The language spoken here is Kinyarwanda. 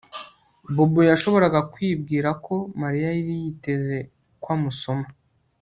Bobo yashoboraga kubwira ko Mariya yari yiteze ko amusoma